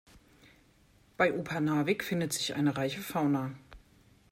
Bei Upernavik findet sich eine reiche Fauna.